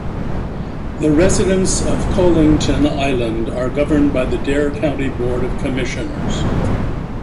The residents of Colington Island are governed by the Dare County Board of Commissioners.